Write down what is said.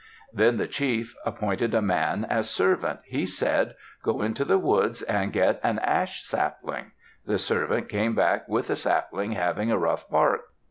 Then the chief appointed a man as servant. He said, "Go into the woods and get an ash sapling." The servant came back with a sapling having a rough bark.